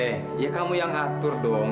eh ya kamu yang atur dong